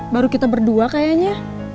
baru kita berdua kayaknya